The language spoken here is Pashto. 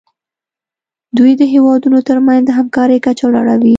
دوی د هیوادونو ترمنځ د همکارۍ کچه لوړوي